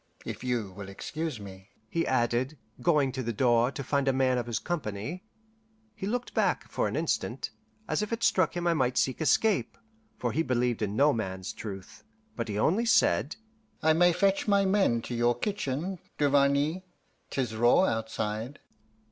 If you will excuse me!" he added, going to the door to find a man of his company. He looked back for an instant, as if it struck him I might seek escape, for he believed in no man's truth; but he only said, "I may fetch my men to your kitchen, Duvarney? 'Tis raw outside."